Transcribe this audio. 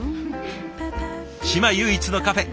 島唯一のカフェ